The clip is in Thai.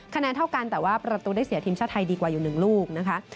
คะแนนเท่ากันแต่ว่าประตูได้เสียทีมชาติไทยดีกว่าอยู่๑ลูกนะคะ